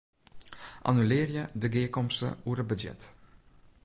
Annulearje de gearkomste oer it budzjet.